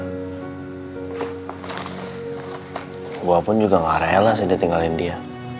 gua pun juga gak rela sih dia tinggalin dia